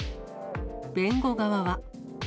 弁護側は。